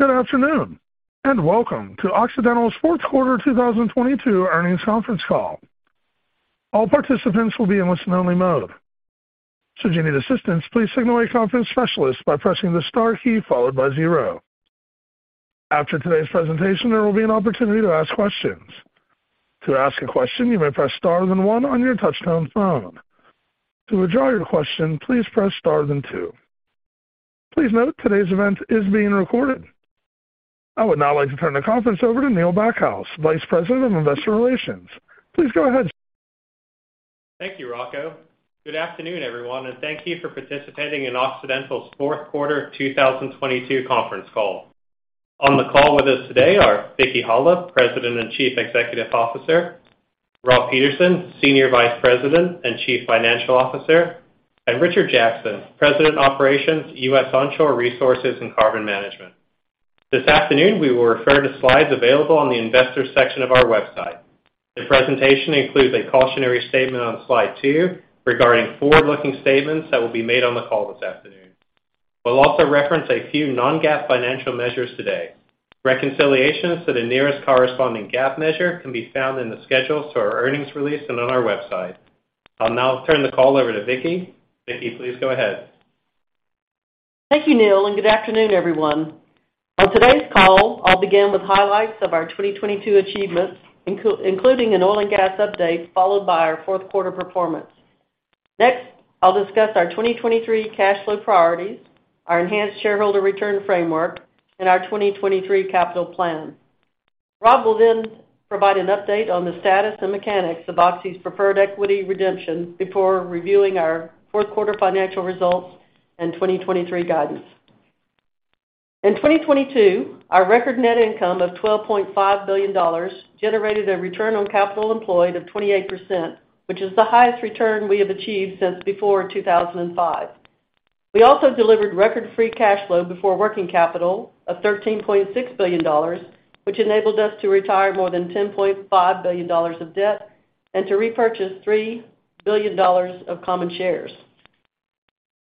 Good afternoon. Welcome to Occidental's fourth quarter 2022 earnings conference call. All participants will be in listen-only mode. If you need assistance, please signal a conference specialist by pressing the star key followed by zero. After today's presentation, there will be an opportunity to ask questions. To ask a question, you may press Star then one on your touch-tone phone. To withdraw your question, please press Star then two. Please note today's event is being recorded. I would now like to turn the conference over to Neil Backhouse, Vice President of Investor Relations. Please go ahead. Thank you, Rocco. Good afternoon, everyone, and thank you for participating in Occidental's fourth quarter 2022 conference call. On the call with us today are Vicki Hollub, President and Chief Executive Officer, Robert Peterson, Senior Vice President and Chief Financial Officer, and Richard Jackson, President Operations, U.S. Onshore Resources and Carbon Management. This afternoon, we will refer to slides available on the Investors section of our website. The presentation includes a cautionary statement on slide 2 regarding forward-looking statements that will be made on the call this afternoon. We'll also reference a few non-GAAP financial measures today. Reconciliations to the nearest corresponding GAAP measure can be found in the schedules to our earnings release and on our website. I'll now turn the call over to Vicki. Vicki, please go ahead. Thank you, Neil. Good afternoon, everyone. On today's call, I'll begin with highlights of our 2022 achievements, including an oil and gas update, followed by our fourth quarter performance. I'll discuss our 2023 cash flow priorities, our enhanced shareholder return framework, and our 2023 capital plan. Rob will provide an update on the status and mechanics of Oxy's preferred equity redemption before reviewing our fourth quarter financial results and 2023 guidance. In 2022, our record net income of $12.5 billion generated a return on capital employed of 28%, which is the highest return we have achieved since before 2005. We also delivered record free cash flow before working capital of $13.6 billion, which enabled us to retire more than $10.5 billion of debt and to repurchase $3 billion of common shares.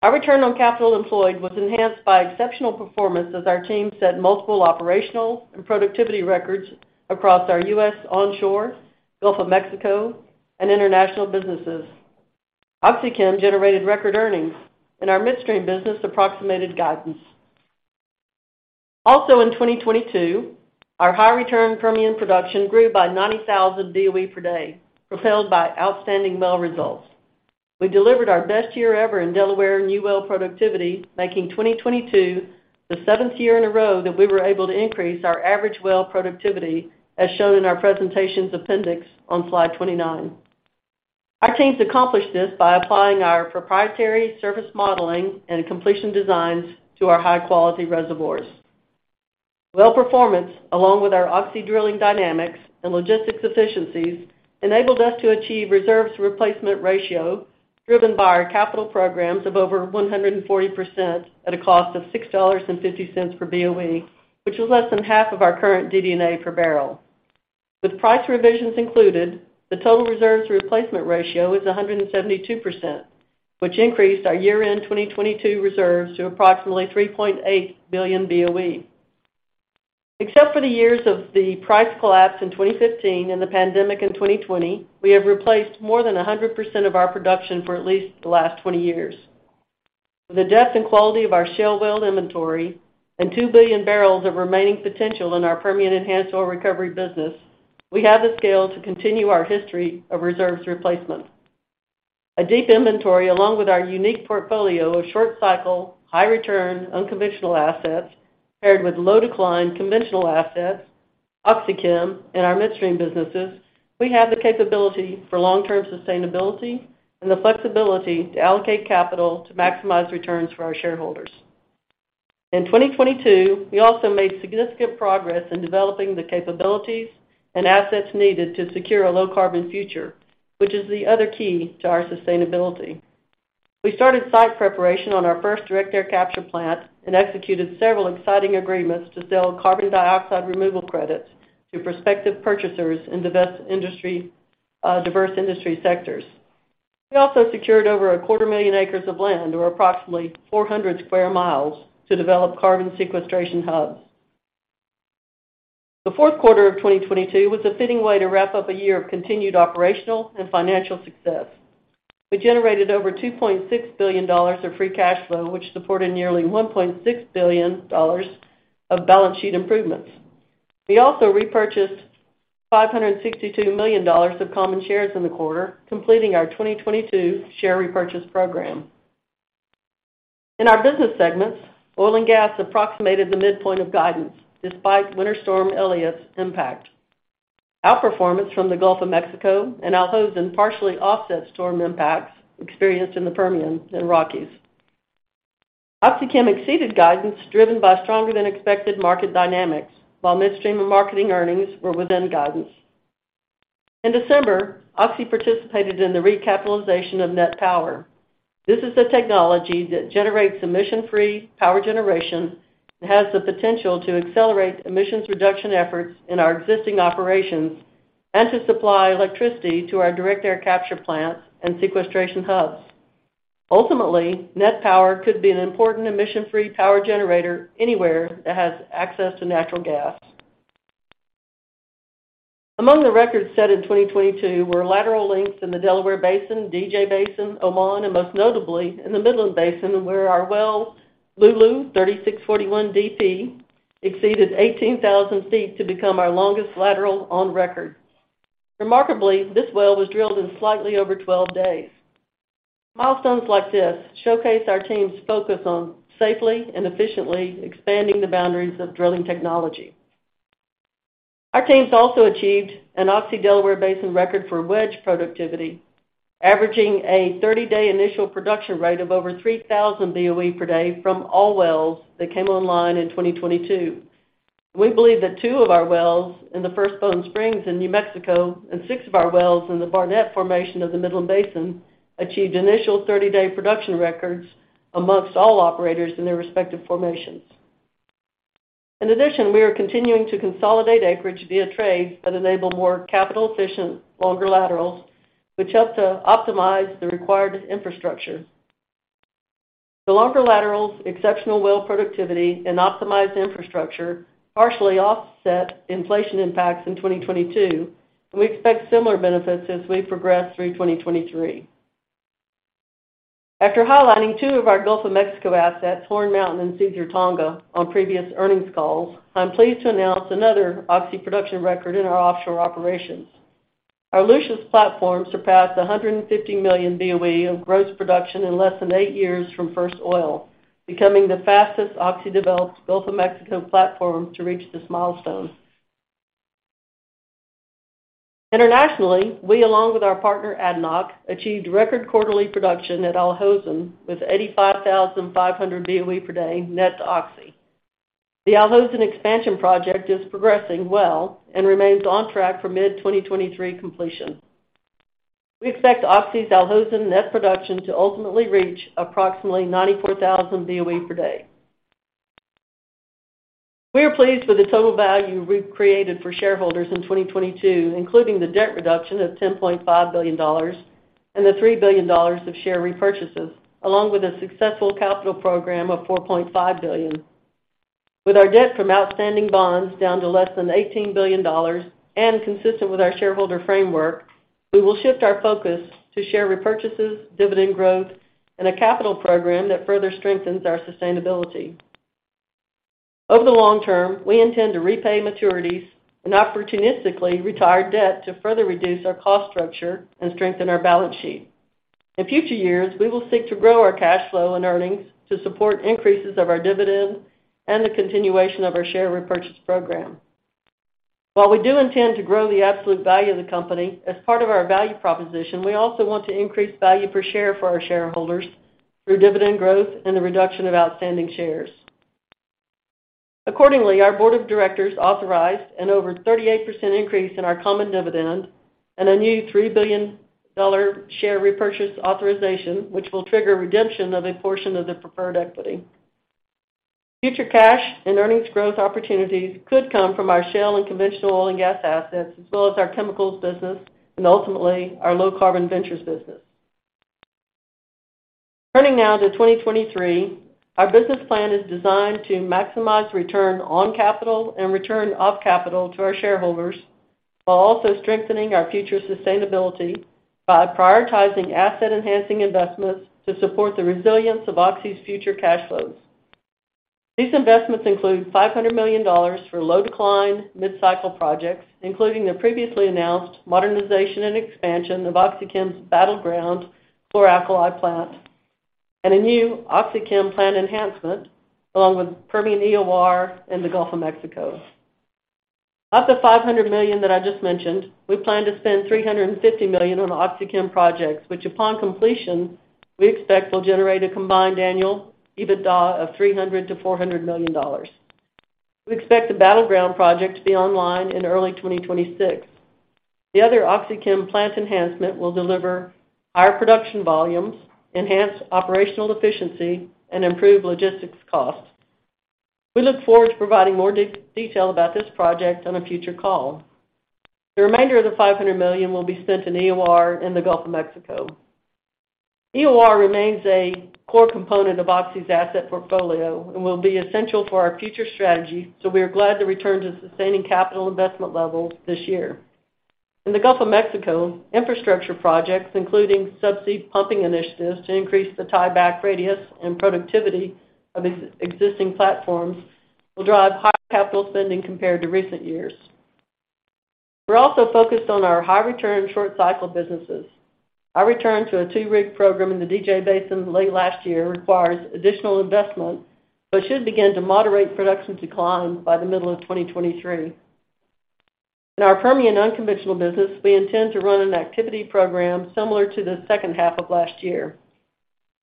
Our return on capital employed was enhanced by exceptional performance as our team set multiple operational and productivity records across our U.S. Onshore, Gulf of Mexico, and international businesses. OxyChem generated record earnings, and our midstream business approximated guidance. In 2022, our high return Permian production grew by 90,000 BOE per day, propelled by outstanding well results. We delivered our best year ever in Delaware new well productivity, making 2022 the seventh year in a row that we were able to increase our average well productivity, as shown in our presentation's appendix on slide 29. Our teams accomplished this by applying our proprietary service modeling and completion designs to our high-quality reservoirs. Well performance, along with our Oxy Drilling Dynamics and logistics efficiencies, enabled us to achieve reserves replacement ratio driven by our capital programs of over 140% at a cost of $6.50 per BOE, which was less than half of our current DD&A per barrel. With price revisions included, the total reserves replacement ratio is 172%, which increased our year-end 2022 reserves to approximately 3.8 billion BOE. Except for the years of the price collapse in 2015 and the pandemic in 2020, we have replaced more than 100% of our production for at least the last 20 years. The depth and quality of our shale well inventory and 2 billion barrels of remaining potential in our Permian enhanced oil recovery business, we have the scale to continue our history of reserves replacement. A deep inventory, along with our unique portfolio of short cycle, high return, unconventional assets paired with low decline conventional assets, OxyChem and our midstream businesses, we have the capability for long-term sustainability and the flexibility to allocate capital to maximize returns for our shareholders. In 2022, we also made significant progress in developing the capabilities and assets needed to secure a low carbon future, which is the other key to our sustainability. We started site preparation on our first direct air capture plant and executed several exciting agreements to sell carbon dioxide removal credits to prospective purchasers in diverse industry, diverse industry sectors. We also secured over a quarter million acres of land, or approximately 400 sq mi to develop carbon sequestration hubs. The fourth quarter of 2022 was a fitting way to wrap up a year of continued operational and financial success. We generated over $2.6 billion of free cash flow, which supported nearly $1.6 billion of balance sheet improvements. We also repurchased $562 million of common shares in the quarter, completing our 2022 share repurchase program. In our business segments, oil and gas approximated the midpoint of guidance despite Winter Storm Elliott's impact. Outperformance from the Gulf of Mexico and Al Hosn partially offset storm impacts experienced in the Permian and Rockies. OxyChem exceeded guidance driven by stronger than expected market dynamics, while Midstream and Marketing earnings were within guidance. In December, Oxy participated in the recapitalization of NET Power. This is a technology that generates emission-free power generation and has the potential to accelerate emissions reduction efforts in our existing operations and to supply electricity to our direct air capture plants and sequestration hubs. Ultimately, NET Power could be an important emission-free power generator anywhere that has access to natural gas. Among the records set in 2022 were lateral lengths in the Delaware Basin, DJ Basin, Oman, and most notably, in the Midland Basin, where our well Lulu 3641DP exceeded 18,000 feet to become our longest lateral on record. Remarkably, this well was drilled in slightly over 12 days. Milestones like this showcase our team's focus on safely and efficiently expanding the boundaries of drilling technology. Our teams also achieved an Oxy Delaware Basin record for wedge productivity, averaging a 30-day initial production rate of over 3,000 BOE per day from all wells that came online in 2022. We believe that two of our wells in the First Bone Spring in New Mexico and six of our wells in the Barnett formation of the Midland Basin achieved initial 30-day production records amongst all operators in their respective formations. In addition, we are continuing to consolidate acreage via trades that enable more capital-efficient, longer laterals, which help to optimize the required infrastructure. The longer laterals, exceptional well productivity, and optimized infrastructure partially offset inflation impacts in 2022, and we expect similar benefits as we progress through 2023. After highlighting two of our Gulf of Mexico assets, Horn Mountain and Caesar Tonga, on previous earnings calls, I'm pleased to announce another Oxy production record in our offshore operations. Our Lucius platform surpassed 150 million BOE of gross production in less than eight years from first oil, becoming the fastest Oxy-developed Gulf of Mexico platform to reach this milestone. Internationally, we, along with our partner, ADNOC, achieved record quarterly production at Al Hosn with 85,500 BOE per day net to Oxy. The Al Hosn expansion project is progressing well and remains on track for mid-2023 completion. We expect Oxy's Al Hosn net production to ultimately reach approximately 94,000 BOE per day. We are pleased with the total value we've created for shareholders in 2022, including the debt reduction of $10.5 billion and the $3 billion of share repurchases, along with a successful capital program of $4.5 billion. With our debt from outstanding bonds down to less than $18 billion and consistent with our shareholder framework, we will shift our focus to share repurchases, dividend growth, and a capital program that further strengthens our sustainability. Over the long term, we intend to repay maturities and opportunistically retire debt to further reduce our cost structure and strengthen our balance sheet. In future years, we will seek to grow our cash flow and earnings to support increases of our dividend and the continuation of our share repurchase program. While we do intend to grow the absolute value of the company, as part of our value proposition, we also want to increase value per share for our shareholders through dividend growth and the reduction of outstanding shares. Accordingly, our board of directors authorized an over 38% increase in our common dividend and a new $3 billion share repurchase authorization, which will trigger redemption of a portion of the preferred equity. Future cash and earnings growth opportunities could come from our shale and conventional oil and gas assets, as well as our chemicals business and ultimately our Low Carbon Ventures business. Turning now to 2023, our business plan is designed to maximize return on capital and return of capital to our shareholders while also strengthening our future sustainability by prioritizing asset-enhancing investments to support the resilience of Oxy's future cash flows. These investments include $500 million for low decline, mid-cycle projects, including the previously announced modernization and expansion of OxyChem's Battleground chlor-alkali plant and a new OxyChem plant enhancement, along with Permian EOR and the Gulf of Mexico. Of the $500 million that I just mentioned, we plan to spend $350 million on OxyChem projects, which upon completion, we expect will generate a combined annual EBITDA of $300 million-$400 million. We expect the Battleground project to be online in early 2026. The other OxyChem plant enhancement will deliver higher production volumes, enhance operational efficiency, and improve logistics costs. We look forward to providing more detail about this project on a future call. The remainder of the $500 million will be spent in EOR in the Gulf of Mexico. EOR remains a core component of Oxy's asset portfolio and will be essential for our future strategy, so we are glad to return to sustaining capital investment levels this year. In the Gulf of Mexico, infrastructure projects, including subsea pumping initiatives to increase the tieback radius and productivity of existing platforms, will drive higher capital spending compared to recent years. We're also focused on our high return, short cycle businesses. Our return to a two-rig program in the DJ Basin late last year requires additional investment, but should begin to moderate production decline by the middle of 2023. In our Permian unconventional business, we intend to run an activity program similar to the second half of last year.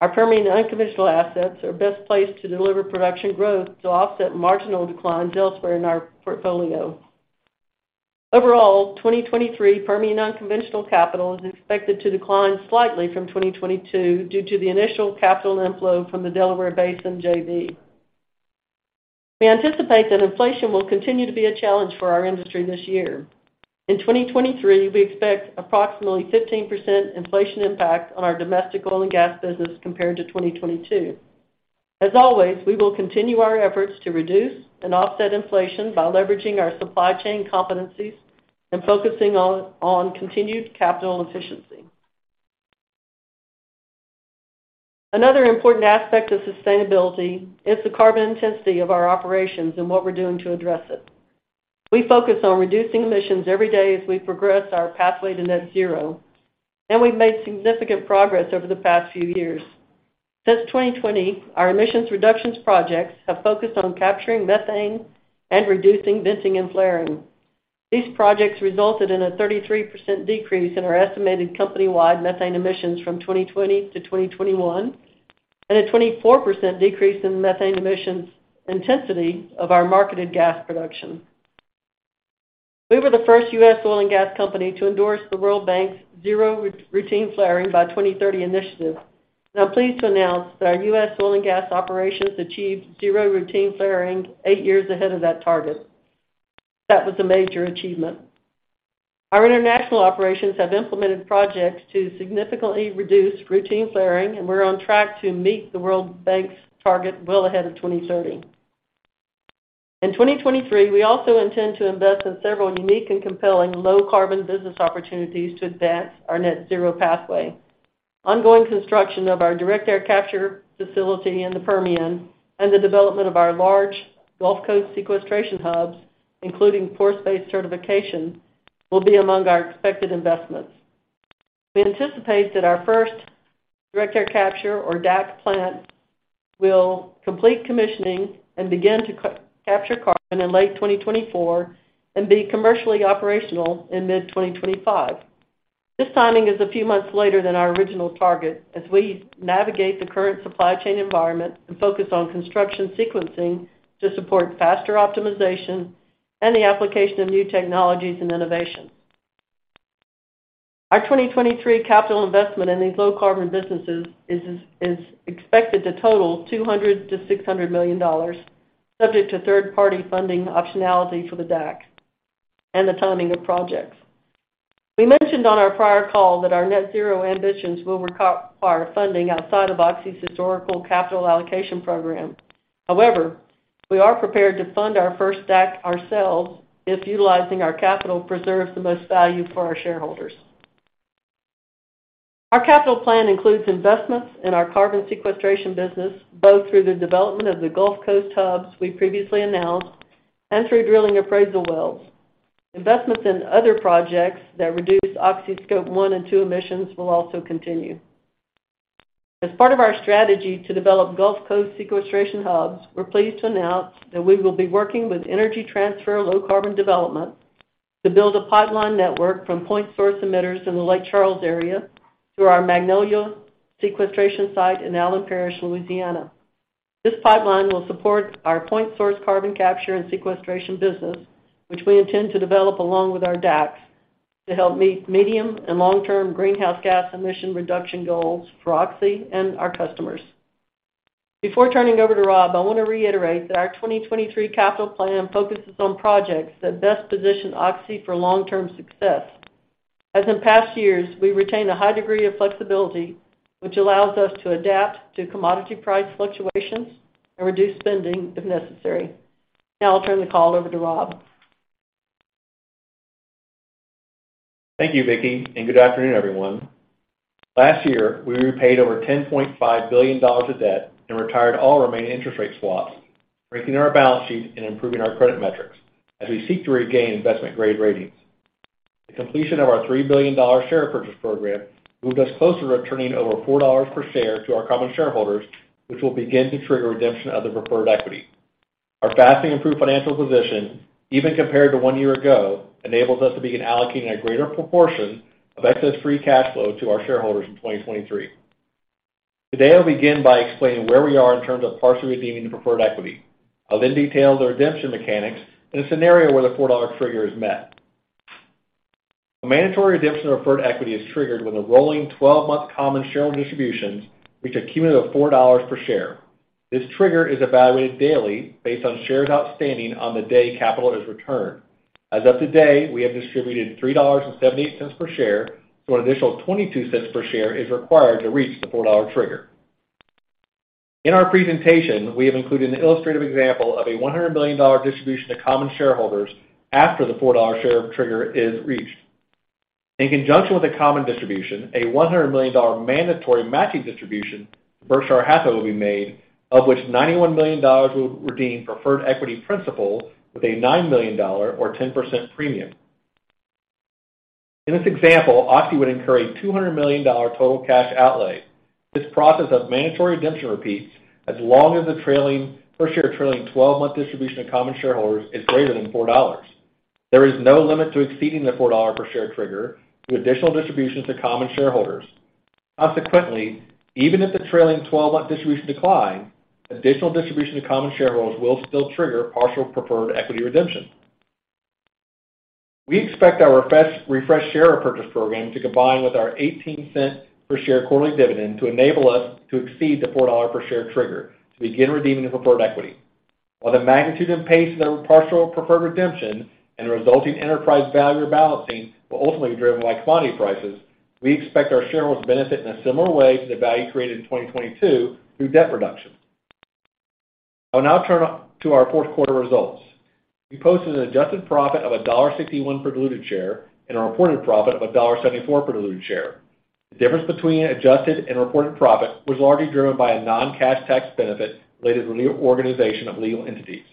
Our Permian unconventional assets are best placed to deliver production growth to offset marginal declines elsewhere in our portfolio. Overall, 2023 Permian unconventional capital is expected to decline slightly from 2022 due to the initial capital inflow from the Delaware Basin JV. We anticipate that inflation will continue to be a challenge for our industry this year. In 2023, we expect approximately 15% inflation impact on our domestic oil and gas business compared to 2022. As always, we will continue our efforts to reduce and offset inflation by leveraging our supply chain competencies and focusing on continued capital efficiency. Another important aspect of sustainability is the carbon intensity of our operations and what we're doing to address it. We focus on reducing emissions every day as we progress our pathway to net zero, and we've made significant progress over the past few years. Since 2020, our emissions reductions projects have focused on capturing methane and reducing venting and flaring. These projects resulted in a 33% decrease in our estimated company-wide methane emissions from 2020 to 2021, and a 24% decrease in methane emissions intensity of our marketed gas production. We were the first U.S. oil and gas company to endorse the World Bank's Zero Routine Flaring by 2030 initiative, and I'm pleased to announce that our U.S. oil and gas operations achieved zero routine flaring eight years ahead of that target. That was a major achievement. Our international operations have implemented projects to significantly reduce routine flaring, and we're on track to meet the World Bank's target well ahead of 2030. In 2023, we also intend to invest in several unique and compelling low-carbon business opportunities to advance our net zero pathway. Ongoing construction of our direct air capture facility in the Permian and the development of our large Gulf Coast sequestration hubs, including force-based certification, will be among our expected investments. We anticipate that our first direct air capture, or DAC plant, will complete commissioning and begin to capture carbon in late 2024 and be commercially operational in mid-2025. This timing is a few months later than our original target as we navigate the current supply chain environment and focus on construction sequencing to support faster optimization and the application of new technologies and innovation. Our 2023 capital investment in these low-carbon businesses is expected to total $200 million-$600 million, subject to third-party funding optionality for the DAC and the timing of projects. We mentioned on our prior call that our net zero ambitions will require funding outside of Oxy's historical capital allocation program. We are prepared to fund our first DAC ourselves if utilizing our capital preserves the most value for our shareholders. Our capital plan includes investments in our carbon sequestration business, both through the development of the Gulf Coast hubs we previously announced and through drilling appraisal wells. Investments in other projects that reduce Oxy's Scope 1 and 2 emissions will also continue. As part of our strategy to develop Gulf Coast sequestration hubs, we're pleased to announce that we will be working with Energy Transfer Low Carbon Development to build a pipeline network from point source emitters in the Lake Charles area through our Magnolia sequestration site in Allen Parish, Louisiana. This pipeline will support our point source carbon capture and sequestration business, which we intend to develop along with our DACs, to help meet medium and long-term greenhouse gas emission reduction goals for Oxy and our customers. Before turning over to Rob, I wanna reiterate that our 2023 capital plan focuses on projects that best position Oxy for long-term success. As in past years, we retain a high degree of flexibility, which allows us to adapt to commodity price fluctuations and reduce spending if necessary. Now I'll turn the call over to Rob. Thank you, Vicki. Good afternoon, everyone. Last year, we repaid over $10.5 billion of debt and retired all remaining interest rate swaps, strengthening our balance sheet and improving our credit metrics as we seek to regain investment-grade ratings. The completion of our $3 billion share purchase program moved us closer to returning over $4 per share to our common shareholders, which will begin to trigger redemption of the preferred equity. Our vastly improved financial position, even compared to one year ago, enables us to begin allocating a greater proportion of excess free cash flow to our shareholders in 2023. Today, I'll begin by explaining where we are in terms of partially redeeming the preferred equity. I'll detail the redemption mechanics in a scenario where the $4 trigger is met. A mandatory redemption of preferred equity is triggered when the rolling 12-month common shareholder distributions reach a cumulative of $4 per share. This trigger is evaluated daily based on shares outstanding on the day capital is returned. As of today, we have distributed $3.78 per share. An additional $0.22 per share is required to reach the $4 trigger. In our presentation, we have included an illustrative example of a $100 million distribution to common shareholders after the $4 share trigger is reached. In conjunction with the common distribution, a $100 million mandatory matching distribution to Berkshire Hathaway will be made, of which $91 million will redeem preferred equity principal with a $9 million or 10% premium. In this example, Oxy would incur a $200 million total cash outlay. This process of mandatory redemption repeats as long as the trailing twelve-month distribution to common shareholders is greater than $4. There is no limit to exceeding the $4 per share trigger through additional distributions to common shareholders. Even if the trailing twelve-month distributions decline, additional distribution to common shareholders will still trigger partial preferred equity redemption. We expect our refresh share repurchase program to combine with our $0.18 per share quarterly dividend to enable us to exceed the $4 per share trigger to begin redeeming the preferred equity. The magnitude and pace of the partial preferred redemption and the resulting enterprise value rebalancing will ultimately be driven by commodity prices, we expect our shareholders to benefit in a similar way to the value created in 2022 through debt reduction. I will now turn to our fourth quarter results. We posted an adjusted profit of $0.61 per diluted share and a reported profit of $0.74 per diluted share. The difference between adjusted and reported profit was largely driven by a non-cash tax benefit related to the reorganization of legal entities.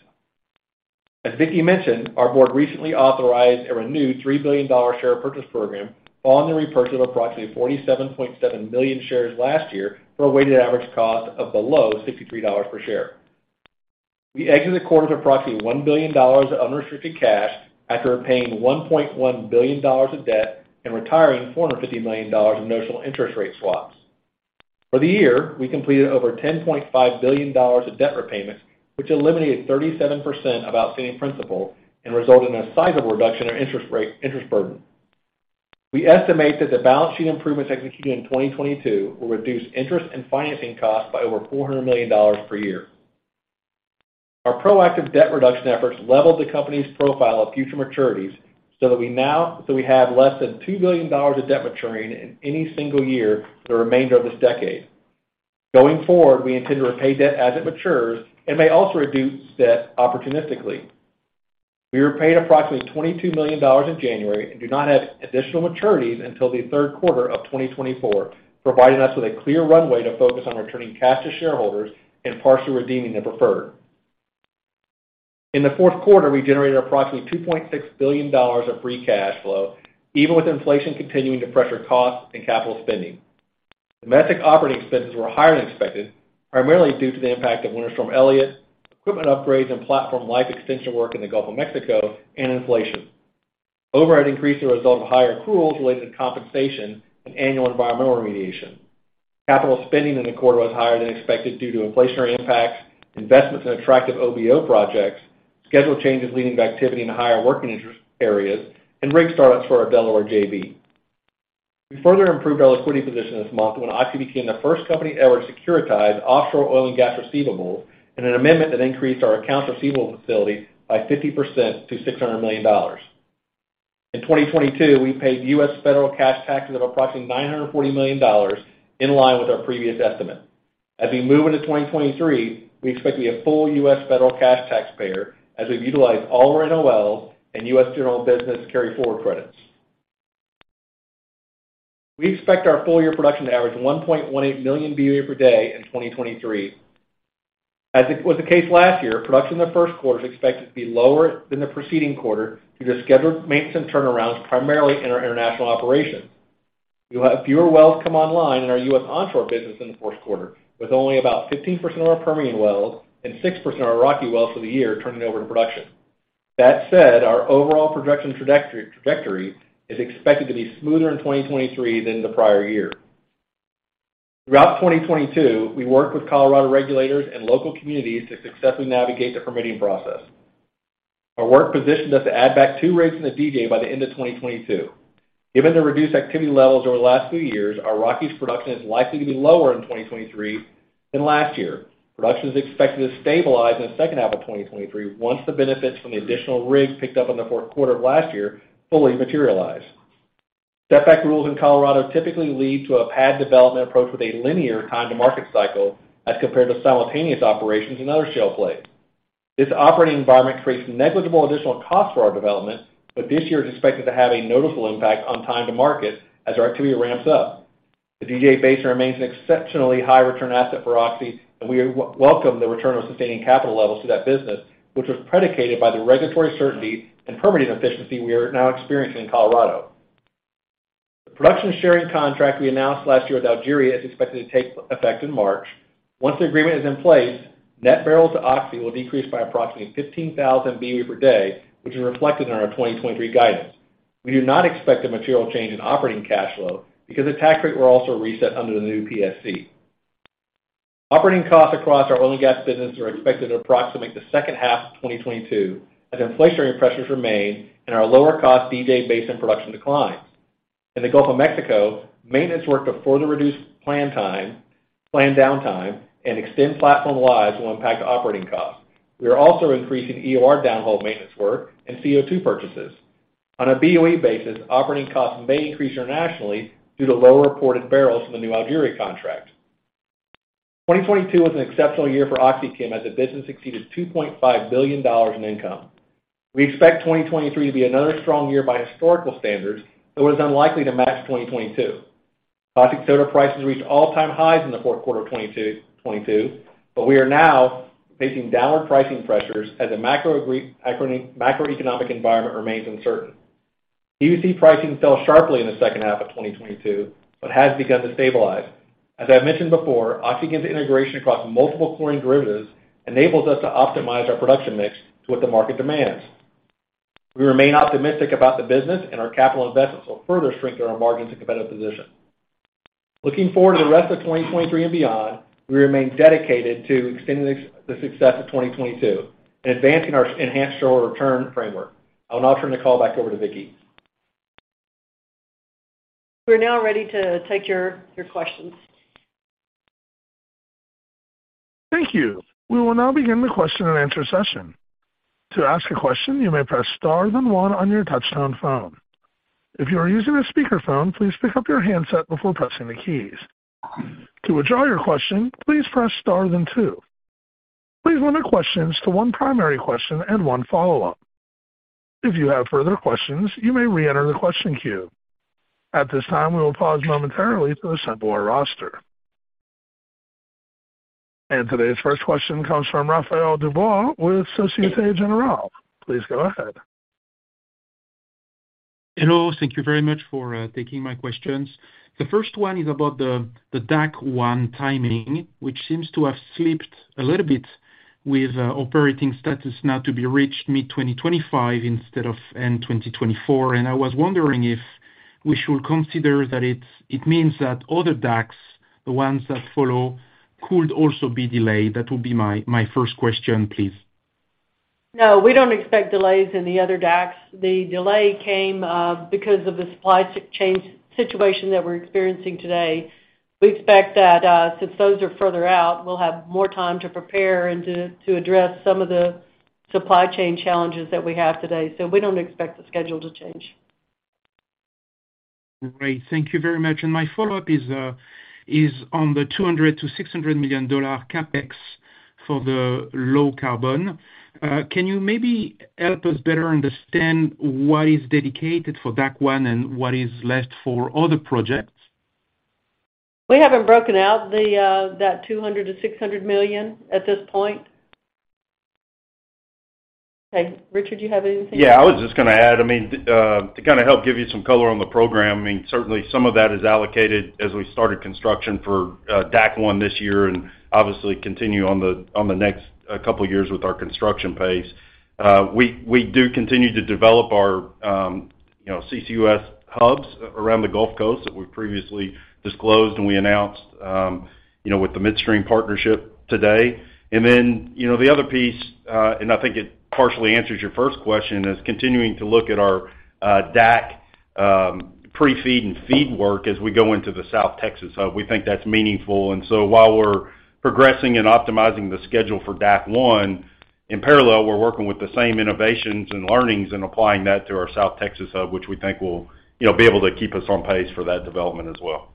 As Vicki mentioned, our board recently authorized a renewed $3 billion share purchase program following the repurchase of approximately 47.7 million shares last year for a weighted average cost of below $63 per share. We exited the quarter with approximately $1 billion of unrestricted cash after repaying $1.1 billion of debt and retiring $450 million of notional interest rate swaps. For the year, we completed over $10.5 billion of debt repayments, which eliminated 37% of outstanding principal and resulted in a sizable reduction in interest burden. We estimate that the balance sheet improvements executed in 2022 will reduce interest and financing costs by over $400 million per year. Our proactive debt reduction efforts leveled the company's profile of future maturities so that we have less than $2 billion of debt maturing in any single year for the remainder of this decade. Going forward, we intend to repay debt as it matures and may also reduce debt opportunistically. We repaid approximately $22 million in January and do not have additional maturities until the third quarter of 2024, providing us with a clear runway to focus on returning cash to shareholders and partially redeeming the preferred. In the fourth quarter, we generated approximately $2.6 billion of free cash flow, even with inflation continuing to pressure costs and capital spending. Domestic operating expenses were higher than expected, primarily due to the impact of Winter Storm Elliott, equipment upgrades, and platform life extension work in the Gulf of Mexico and inflation. Overhead increased the result of higher accruals related to compensation and annual environmental remediation. Capital spending in the quarter was higher than expected due to inflationary impacts, investments in attractive OBO projects, schedule changes leading to activity in higher working interest areas, and rig startups for our Delaware JV. We further improved our liquidity position this month when OXY became the first company ever to securitize offshore oil and gas receivables and an amendment that increased our accounts receivable facility by 50% to $600 million. In 2022, we paid U.S. federal cash taxes of approximately $940 million in line with our previous estimate. As we move into 2023, we expect to be a full U.S. federal cash taxpayer as we've utilized all our NOLs and U.S. general business carry forward credits. We expect our full year production to average 1.18 million BOE per day in 2023. As it was the case last year, production in the first quarter is expected to be lower than the preceding quarter due to scheduled maintenance and turnarounds, primarily in our international operations. We'll have fewer wells come online in our U.S. onshore business in the fourth quarter, with only about 15% of our Permian wells and 6% of our Rocky wells for the year turning over to production. That said, our overall projection trajectory is expected to be smoother in 2023 than the prior year. Throughout 2022, we worked with Colorado regulators and local communities to successfully navigate the permitting process. Our work positioned us to add back two rigs in the DJ by the end of 2022. Given the reduced activity levels over the last few years, our Rockies production is likely to be lower in 2023 than last year. Production is expected to stabilize in the second half of 2023 once the benefits from the additional rigs picked up in the fourth quarter of last year fully materialize. Stepback rules in Colorado typically lead to a pad development approach with a linear time to market cycle as compared to simultaneous operations in other shale plays. This operating environment creates negligible additional cost for our development, but this year is expected to have a noticeable impact on time to market as our activity ramps up. The DJ Basin remains an exceptionally high return asset for Oxy, and we welcome the return of sustaining capital levels to that business, which was predicated by the regulatory certainty and permitting efficiency we are now experiencing in Colorado. The production sharing contract we announced last year with Algeria is expected to take effect in March. Once the agreement is in place, net barrels to Oxy will decrease by approximately 15,000 BOE per day, which is reflected in our 2023 guidance. We do not expect a material change in operating cash flow because the tax rate will also reset under the new PSC. Operating costs across our oil and gas business are expected to approximate the second half of 2022 as inflationary pressures remain and our lower cost DJ Basin production declines. In the Gulf of Mexico, maintenance work to further reduce planned downtime and extend platform lives will impact operating costs. We are also increasing EOR downhole maintenance work and CO2 purchases. On a BOE basis, operating costs may increase internationally due to lower reported barrels from the new Algeria contract. 2022 was an exceptional year for Oxy, as the business exceeded $2.5 billion in income. We expect 2023 to be another strong year by historical standards, though it is unlikely to match 2022. Caustic soda prices reached all-time highs in the fourth quarter of 2022. We are now facing downward pricing pressures as the macroeconomic environment remains uncertain. VCM pricing fell sharply in the second half of 2022 but has begun to stabilize. As I mentioned before, Oxy's integration across multiple chlorine derivatives enables us to optimize our production mix to what the market demands. We remain optimistic about the business and our capital investments will further strengthen our margins and competitive position. Looking forward to the rest of 2023 and beyond, we remain dedicated to extending this, the success of 2022 and advancing our enhanced return framework. I'll now turn the call back over to Vicki. We're now ready to take your questions. Thank you. We will now begin the question and answer session. To ask a question, you may press star than one on your touch-tone phone. If you are using a speakerphone, please pick up your handset before pressing the keys. To withdraw your question, please press star than two. Please limit questions to one primary question and one follow-up. If you have further questions, you may reenter the question queue. At this time, we will pause momentarily to assemble our roster. Today's first question comes from Raphaël DuBois with Société Générale. Please go ahead. Hello. Thank you very much for taking my questions. The first one is about the DAC 1 timing, which seems to have slipped a little bit with operating status now to be reached mid-2025 instead of end 2024. I was wondering if we should consider that it means that other DACs, the ones that follow, could also be delayed. That would be my first question, please. No, we don't expect delays in the other DACs. The delay came because of the supply chain situation that we're experiencing today. We expect that since those are further out, we'll have more time to prepare and to address some of the supply chain challenges that we have today. We don't expect the schedule to change. Great. Thank you very much. My follow-up is on the $200 million-$600 million CapEx for the low carbon. Can you maybe help us better understand what is dedicated for DAC 1 and what is left for other projects? We haven't broken out the that $200 million-$600 million at this point. Okay, Richard, do you have anything? Yeah, I was just gonna add, I mean, to kind of help give you some color on the program, I mean, certainly some of that is allocated as we started construction for DAC 1 this year and obviously continue on the next couple of years with our construction pace. We do continue to develop our, you know, CCUS hubs around the Gulf Coast that we've previously disclosed, and we announced, you know, with the midstream partnership today. Then, you know, the other piece, and I think it partially answers your first question, is continuing to look at our DAC pre-FEED and FEED work as we go into the South Texas hub. We think that's meaningful. While we're progressing and optimizing the schedule for DAC 1, in parallel, we're working with the same innovations and learnings and applying that to our South Texas hub, which we think will, you know, be able to keep us on pace for that development as well.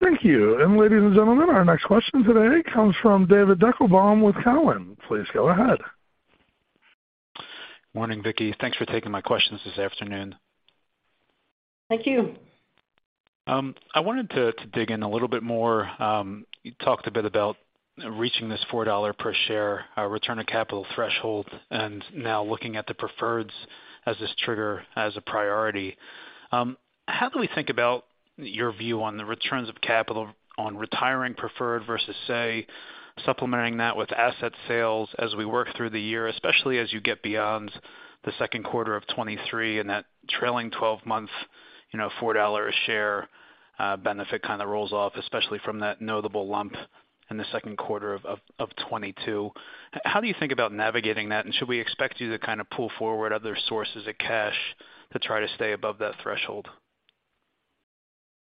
Thank you. Ladies and gentlemen, our next question today comes from David Deckelbaum with Cowen. Please go ahead. Morning, Vicki. Thanks for taking my questions this afternoon. Thank you. I wanted to dig in a little bit more. You talked a bit about reaching this $4 per share return of capital threshold and now looking at the preferreds as this trigger as a priority. How do we think about your view on the returns of capital on retiring preferred versus, say, supplementing that with asset sales as we work through the year, especially as you get beyond the second quarter of 2023 and that trailing 12-month, you know, $4 a share benefit kind of rolls off, especially from that notable lump in the second quarter of 2022. How do you think about navigating that, and should we expect you to kind of pull forward other sources of cash to try to stay above that threshold?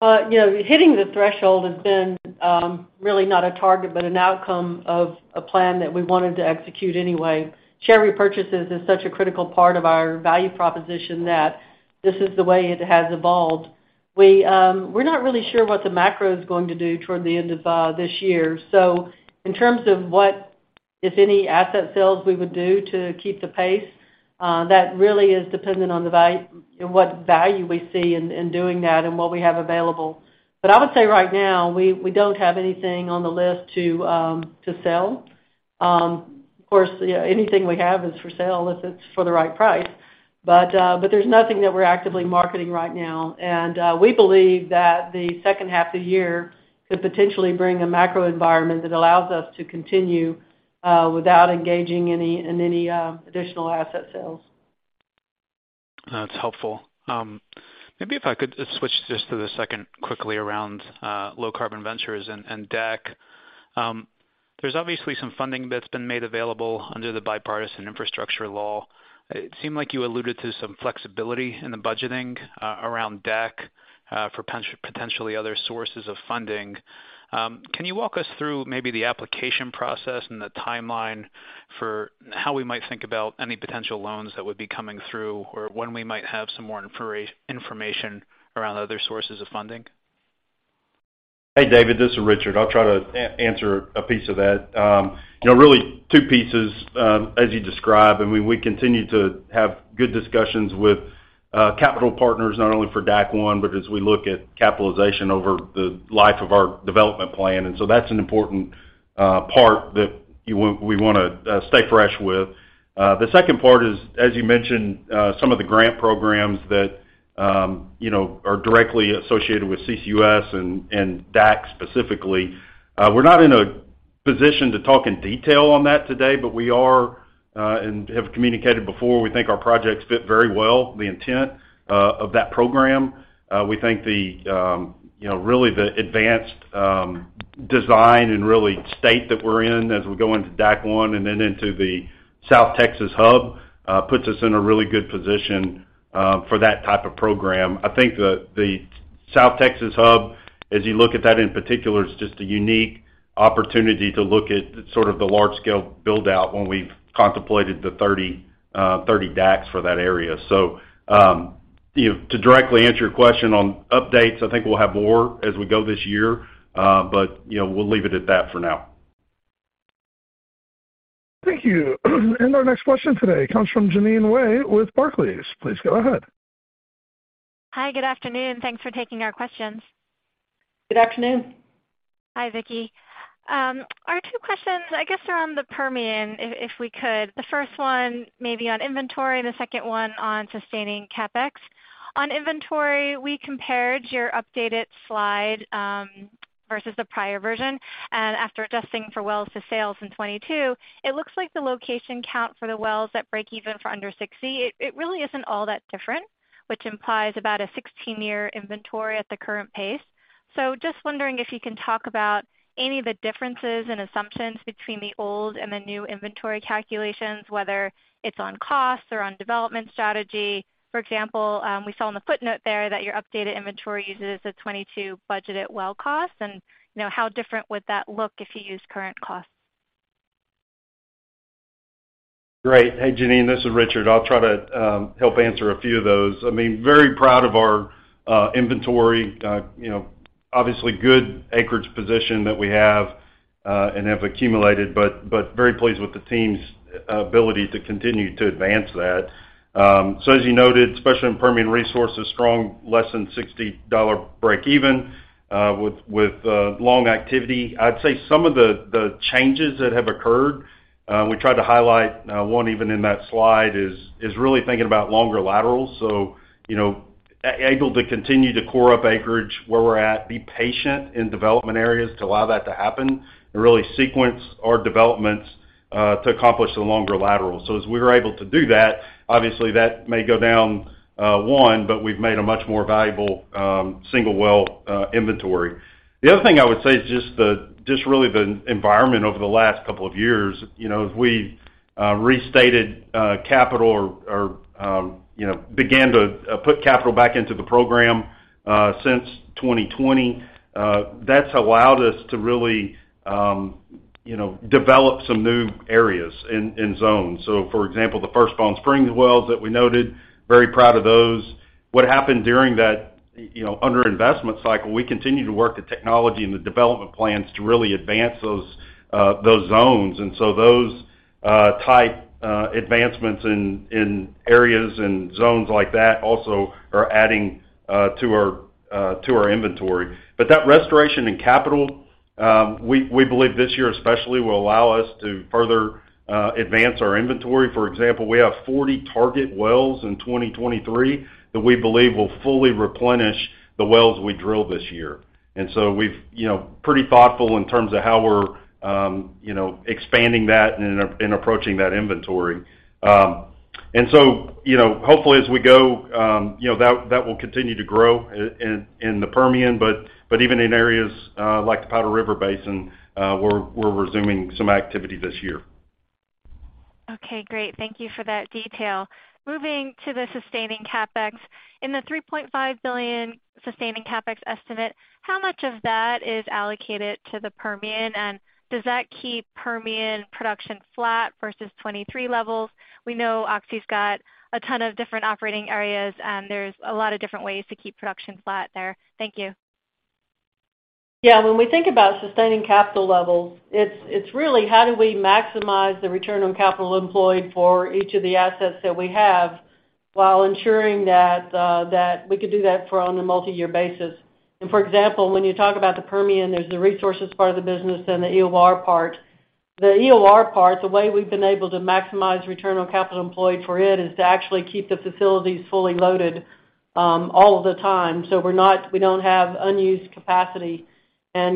You know, hitting the threshold has been really not a target, but an outcome of a plan that we wanted to execute anyway. Share repurchases is such a critical part of our value proposition that this is the way it has evolved. We're not really sure what the macro is going to do toward the end of this year. In terms of what, if any, asset sales we would do to keep the pace, that really is dependent on what value we see in doing that and what we have available. I would say right now, we don't have anything on the list to sell. Of course, anything we have is for sale if it's for the right price. There's nothing that we're actively marketing right now. We believe that the second half of the year could potentially bring a macro environment that allows us to continue without engaging any additional asset sales. That's helpful. Maybe if I could just switch just to the second quickly around Low Carbon Ventures and DAC. There's obviously some funding that's been made available under the Bipartisan Infrastructure Law. It seemed like you alluded to some flexibility in the budgeting around DAC, for potentially other sources of funding. Can you walk us through maybe the application process and the timeline for how we might think about any potential loans that would be coming through, or when we might have some more information around other sources of funding? Hey, David, this is Richard. I'll try to answer a piece of that. You know, really two pieces, as you described, we continue to have good discussions with capital partners, not only for DAC 1, but as we look at capitalization over the life of our development plan. That's an important part that we wanna stay fresh with. The second part is, as you mentioned, some of the grant programs that, you know, are directly associated with CCUS and DAC specifically. We're not in a position to talk in detail on that today, but we are and have communicated before. We think our projects fit very well the intent of that program. We think the, you know, really the advanced design and really state that we're in as we go into DAC 1 and then into the South Texas Hub puts us in a really good position for that type of program. I think the South Texas Hub, as you look at that in particular, is just a unique opportunity to look at sort of the large-scale build-out when we've contemplated the 30 DACs for that area. You know, to directly answer your question on updates, I think we'll have more as we go this year, but, you know, we'll leave it at that for now. Thank you. Our next question today comes from Jeanine Wai with Barclays. Please go ahead. Hi. Good afternoon. Thanks for taking our questions. Good afternoon. Hi, Vicki. Our two questions, I guess, are on the Permian, if we could. The first one maybe on inventory, the second one on sustaining CapEx. On inventory, we compared your updated slide versus the prior version. After adjusting for wells to sales in 2022, it looks like the location count for the wells that break even for under 60, it really isn't all that different, which implies about a 16-year inventory at the current pace. Just wondering if you can talk about any of the differences in assumptions between the old and the new inventory calculations, whether it's on costs or on development strategy. For example, we saw in the footnote there that your updated inventory uses a 2022 budgeted well cost. You know, how different would that look if you use current costs? Great. Hey, Jeanine, this is Richard. I'll try to help answer a few of those. I mean, very proud of our inventory. You know, obviously, good acreage position that we have and have accumulated, but very pleased with the team's ability to continue to advance that. As you noted, especially in Permian Resources, strong less than $60 break even with long activity. I'd say some of the changes that have occurred, we tried to highlight one even in that slide, is really thinking about longer laterals. You know, able to continue to core up acreage where we're at, be patient in development areas to allow that to happen, and really sequence our developments to accomplish the longer laterals. As we were able to do that, obviously that may go down, one, but we've made a much more valuable, single well, inventory. The other thing I would say is just really the environment over the last couple of years. You know, as we restated capital or, you know, began to put capital back into the program since 2020, that's allowed us to really, you know, develop some new areas and zones. For example, the first Bone Spring wells that we noted, very proud of those. What happened during that, you know, under investment cycle, we continued to work the technology and the development plans to really advance those zones. Those type advancements in areas and zones like that also are adding to our inventory. That restoration in capital, we believe this year especially will allow us to further advance our inventory. For example, we have 40 target wells in 2023 that we believe will fully replenish the wells we drill this year. We've, you know, pretty thoughtful in terms of how we're, you know, expanding that and approaching that inventory. Hopefully as we go, you know, that will continue to grow in the Permian. Even in areas like the Powder River Basin, we're resuming some activity this year. Okay, great. Thank you for that detail. Moving to the sustaining CapEx. In the $3.5 billion sustaining CapEx estimate, how much of that is allocated to the Permian? Does that keep Permian production flat versus 23 levels? We know Oxy's got a ton of different operating areas, and there's a lot of different ways to keep production flat there. Thank you. When we think about sustaining capital levels, it's really how do we maximize the return on capital employed for each of the assets that we have while ensuring that we could do that for on a multi-year basis. For example, when you talk about the Permian, there's the resources part of the business and the EOR part. The EOR part, the way we've been able to maximize return on capital employed for it is to actually keep the facilities fully loaded all the time. So we don't have unused capacity.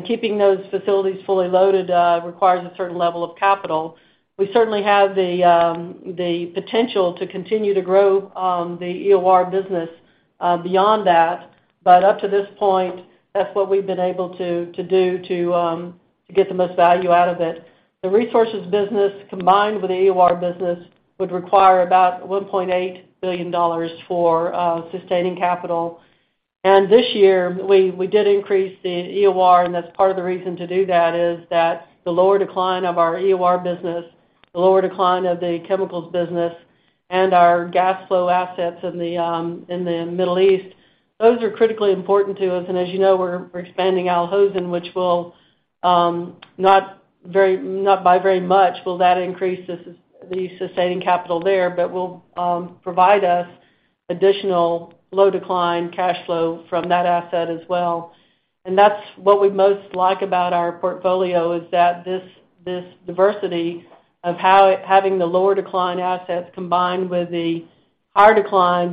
Keeping those facilities fully loaded requires a certain level of capital. We certainly have the potential to continue to grow the EOR business beyond that. Up to this point, that's what we've been able to do to get the most value out of it. The resources business combined with the EOR business would require about $1.8 billion for sustaining capital. This year, we did increase the EOR, and that's part of the reason to do that, is that the lower decline of our EOR business, the lower decline of the chemicals business, and our gas flow assets in the Middle East, those are critically important to us. As you know, we're expanding Al Hosn, which will not by very much will that increase the sustaining capital there, but will provide us additional low decline cash flow from that asset as well. That's what we most like about our portfolio, is that this diversity of having the lower decline assets combined with the higher decline,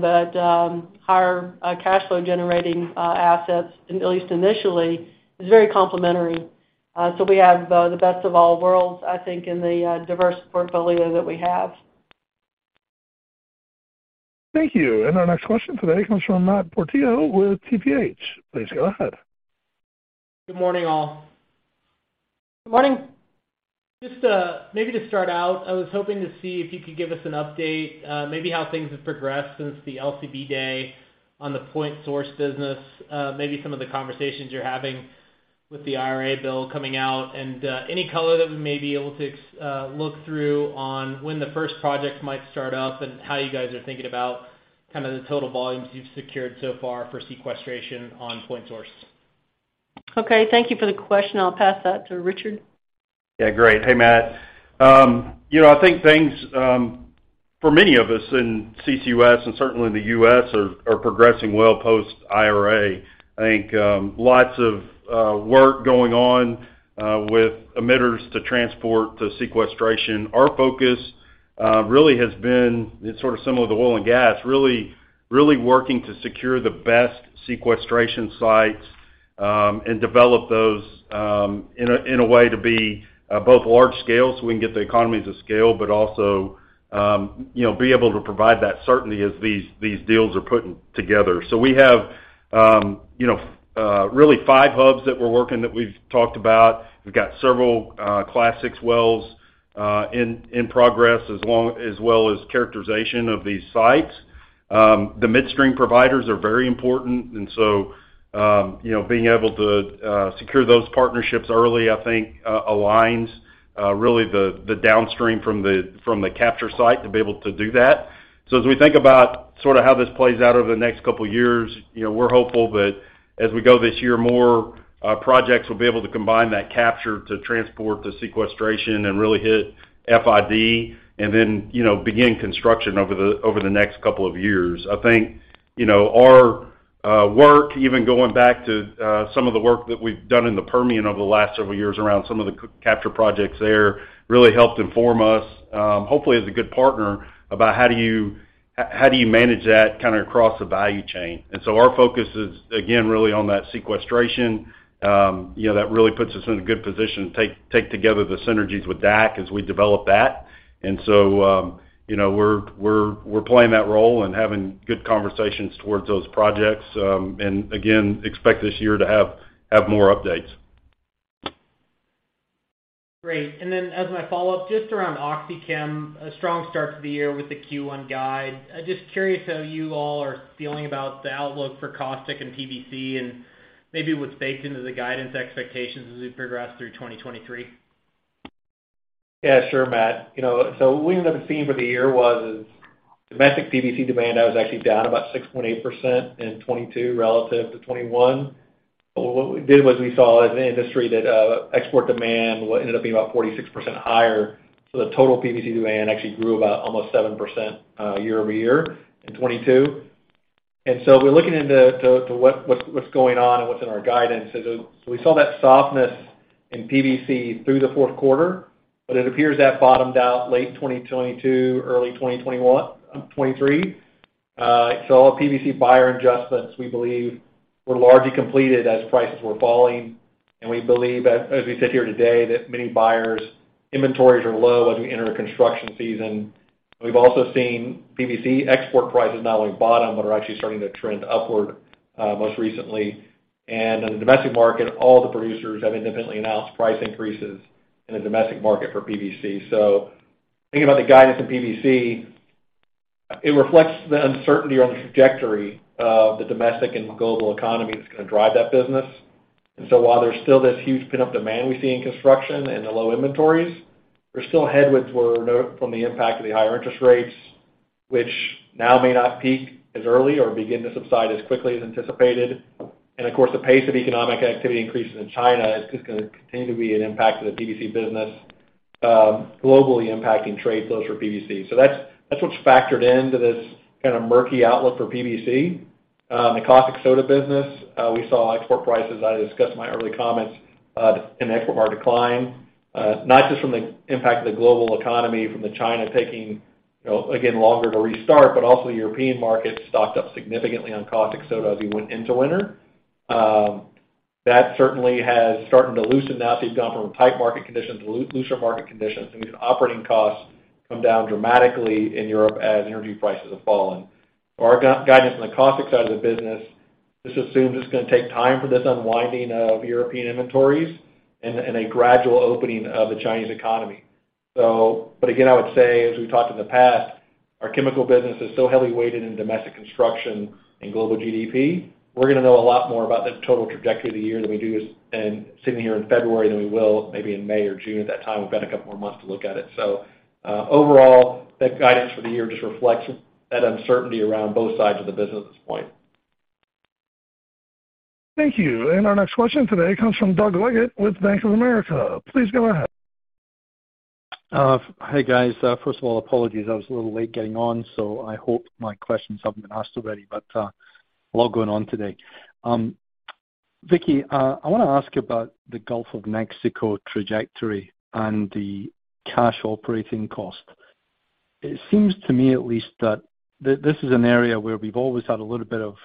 higher cash flow generating assets, at least initially, is very complimentary. We have the best of all worlds, I think, in the diverse portfolio that we have. Thank you. Our next question today comes from Matthew Portillo with TPH&Co. Please go ahead. Good morning, all. Good morning. Just, maybe to start out, I was hoping to see if you could give us an update, maybe how things have progressed since the LCB Day on the Point Source business, maybe some of the conversations you're having with the IRA bill coming out, and, any color that we may be able to, look through on when the first project might start up and how you guys are thinking about kind of the total volumes you've secured so far for sequestration on Point Source. Thank you for the question. I'll pass that to Richard. Yeah, great. Hey, Matt. you know, I think things for many of us in CCUS and certainly in the U.S. are progressing well post IRA. I think lots of work going on with emitters to transport to sequestration. Our focus really has been, it's sort of similar to oil and gas, really working to secure the best sequestration sites and develop those in a way to be both large scale so we can get the economies of scale, but also, you know, be able to provide that certainty as these deals are putting together. We have, you know, really 5 hubs that we're working that we've talked about. We've got several Class VI wells in progress, as well as characterization of these sites. The midstream providers are very important, and so, you know, being able to secure those partnerships early, I think, aligns really the downstream from the capture site to be able to do that. As we think about sort of how this plays out over the next couple of years, you know, we're hopeful that as we go this year, more projects will be able to combine that capture to transport to sequestration and really hit FID and then, you know, begin construction over the next couple of years. I think, you know, our work, even going back to some of the work that we've done in the Permian over the last several years around some of the c-capture projects there, really helped inform us, hopefully as a good partner about how do you, how do you manage that kind of across the value chain. Our focus is, again, really on that sequestration, you know, that really puts us in a good position to take together the synergies with DAC as we develop that. You know, we're playing that role and having good conversations towards those projects. Again, expect this year to have more updates. Great. As my follow-up, just around OxyChem, a strong start to the year with the Q1 guide. I'm just curious how you all are feeling about the outlook for caustic and PVC and maybe what's baked into the guidance expectations as we progress through 2023? Yeah, sure, Matt. You know, we ended up seeing for the year was domestic PVC demand that was actually down about 6.8% in 2022 relative to 2021. What we did was we saw as an industry that export demand ended up being about 46% higher. The total PVC demand actually grew about almost 7% year-over-year in 2022. We're looking into what's going on and what's in our guidance. We saw that softness in PVC through the fourth quarter, but it appears that bottomed out late 2022, early 2021, 2023. PVC buyer adjustments, we believe, were largely completed as prices were falling. We believe as we sit here today, that many buyers inventories are low as we enter a construction season. We've also seen PVC export prices not only bottom, but are actually starting to trend upward most recently. In the domestic market, all the producers have independently announced price increases in the domestic market for PVC. Thinking about the guidance in PVC, it reflects the uncertainty around the trajectory of the domestic and global economy that's gonna drive that business. While there's still this huge pent-up demand we see in construction and the low inventories, there's still headwinds from the impact of the higher interest rates, which now may not peak as early or begin to subside as quickly as anticipated. Of course, the pace of economic activity increases in China is just gonna continue to be an impact to the PVC business, globally impacting trade flows for PVC. That's what's factored into this kind of murky outlook for PVC. The caustic soda business, we saw export prices, as I discussed in my early comments, in the export bar decline, not just from the impact of the global economy, from China taking, you know, again, longer to restart, but also European markets stocked up significantly on caustic soda as we went into winter. That certainly has started to loosen now. You've gone from tight market conditions to looser market conditions. We've seen operating costs come down dramatically in Europe as energy prices have fallen. Our guidance on the caustic side of the business, this assumes it's gonna take time for this unwinding of European inventories and a gradual opening of the Chinese economy. Again, I would say, as we've talked in the past, our chemical business is so heavily weighted in domestic construction and global GDP. We're gonna know a lot more about the total trajectory of the year than we do sitting here in February than we will maybe in May or June. At that time, we've got a couple more months to look at it. Overall, that guidance for the year just reflects that uncertainty around both sides of the business at this point. Thank you. Our next question today comes from Doug Leggate with Bank of America. Please go ahead. Hey, guys. First of all, apologies. I was a little late getting on, so I hope my questions haven't been asked already. A lot going on today. Vicki, I wanna ask you about the Gulf of Mexico trajectory and the cash operating cost. It seems to me at least that this is an area where we've always had a little bit of--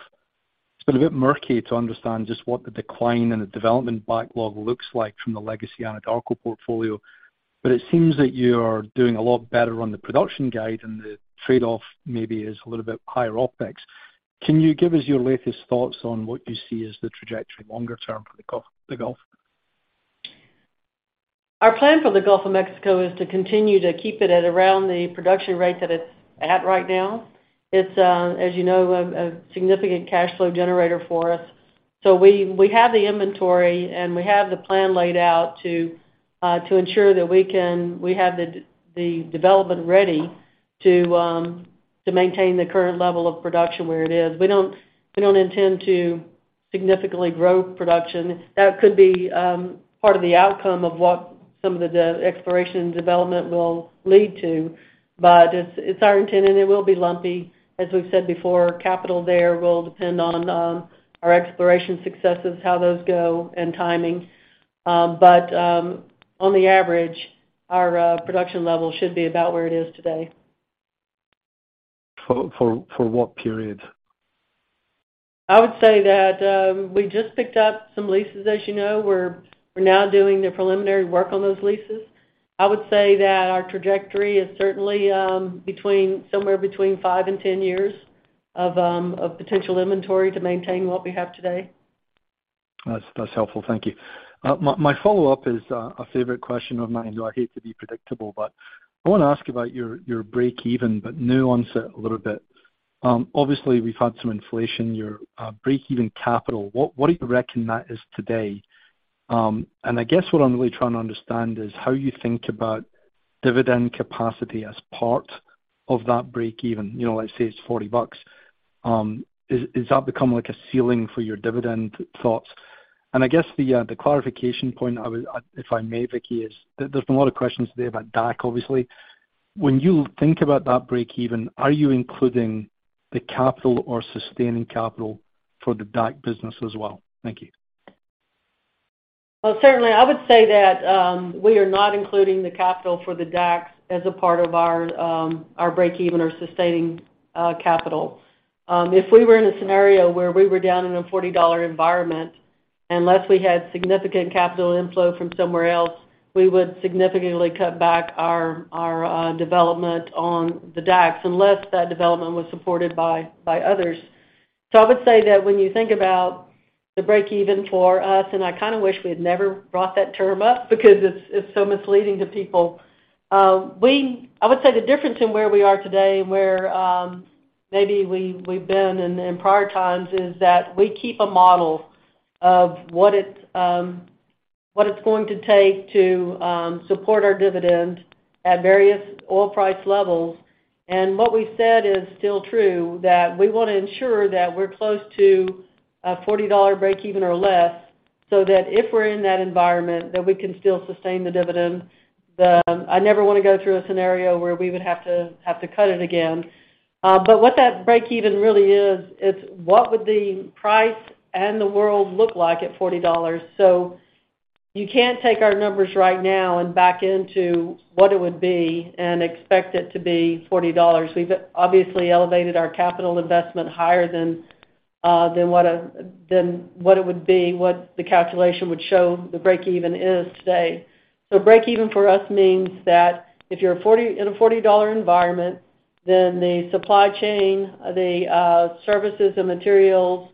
It's been a bit murky to understand just what the decline in the development backlog looks like from the legacy Anadarko portfolio. It seems that you're doing a lot better on the production guide, and the trade-off maybe is a little bit higher OpEx. Can you give us your latest thoughts on what you see as the trajectory longer term for the Gulf? Our plan for the Gulf of Mexico is to continue to keep it at around the production rate that it's at right now. It's, as you know, a significant cash flow generator for us. We have the inventory, and we have the plan laid out to ensure that we have the development ready to maintain the current level of production where it is. We don't intend to significantly grow production. That could be part of the outcome of what some of the exploration and development will lead to, but it's our intent, and it will be lumpy. As we've said before, capital there will depend on our exploration successes, how those go, and timing. On the average, our production level should be about where it is today. For what period? I would say that we just picked up some leases, as you know. We're now doing the preliminary work on those leases. I would say that our trajectory is certainly between, somewhere between five and 10 years of potential inventory to maintain what we have today. That's helpful. Thank you. My follow-up is a favorite question of mine, though I hate to be predictable, but I wanna ask about your breakeven, but nuance it a little bit. Obviously, we've had some inflation. Your breakeven capital, what do you reckon that is today? I guess what I'm really trying to understand is how you think about dividend capacity as part of that breakeven. You know, let's say it's $40. Has that become like a ceiling for your dividend thoughts? I guess the clarification point If I may, Vicki, is there's been a lot of questions today about DAC, obviously. When you think about that breakeven, are you including the capital or sustaining capital for the DAC business as well? Thank you. Certainly I would say that, we are not including the capital for the DACs as a part of our breakeven or sustaining capital. If we were in a scenario where we were down in a $40 environment, unless we had significant capital inflow from somewhere else, we would significantly cut back our development on the DACs, unless that development was supported by others. I would say that when you think about the breakeven for us, and I kinda wish we had never brought that term up because it's so misleading to people, we... I would say the difference in where we are today and where maybe we've been in prior times is that we keep a model of what it, what it's going to take to support our dividend at various oil price levels. What we said is still true, that we wanna ensure that we're close to a $40 breakeven or less so that if we're in that environment, that we can still sustain the dividend. I never wanna go through a scenario where we would have to cut it again. What that breakeven really is, it's what would the price and the world look like at $40? You can't take our numbers right now and back into what it would be and expect it to be $40. We've obviously elevated our capital investment higher than what it would be, what the calculation would show the breakeven is today. Breakeven for us means that if you're in a $40 environment, then the supply chain, the services, the materials,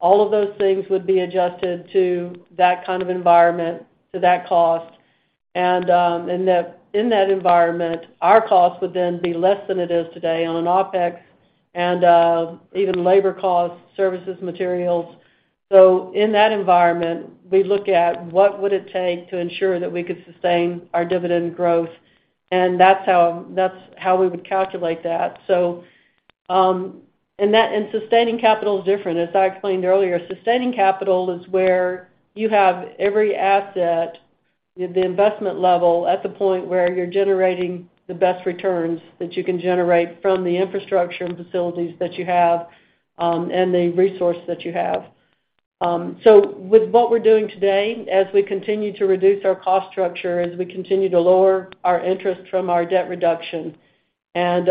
all of those things would be adjusted to that kind of environment, to that cost. In that environment, our cost would then be less than it is today on OpEx and even labor costs, services, materials. In that environment, we look at what would it take to ensure that we could sustain our dividend growth, and that's how we would calculate that. And sustaining capital is different. As I explained earlier, sustaining capital is where you have every asset at the investment level at the point where you're generating the best returns that you can generate from the infrastructure and facilities that you have, and the resource that you have. With what we're doing today, as we continue to reduce our cost structure, as we continue to lower our interest from our debt reduction, and